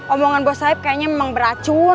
omongan bos saeb kayaknya memang beracun